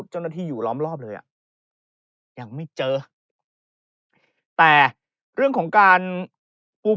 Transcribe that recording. เจ้าหน้าที่อยู่ล้อมรอบเลยอ่ะยังไม่เจอนะครับแต่เรื่องของการอุ้ม